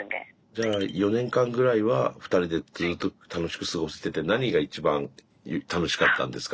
じゃあ４年間ぐらいは２人でずっと楽しく過ごしてて何が一番楽しかったんですか？